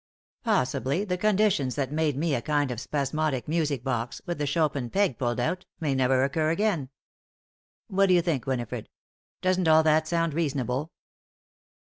Possibly, the conditions that made me a kind of spasmodic music box, with the Chopin peg pulled out, may never occur again. What do you think, Winifred? Doesn't all that sound reasonable?"